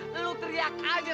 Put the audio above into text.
lo teriak aja